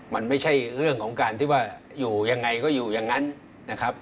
มันไม่ใช่เรื่องของการที่ว่าอยู่ยังไงก็อยู่อย่างนั้นนะครับ